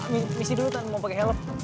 misi dulu kan mau pakai helm